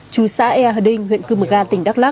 chú xã ea hờ đinh huyện cư mực a tỉnh đắk lóc